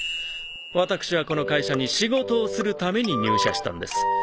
ワタクシはこの会社に仕事をするために入社したんです。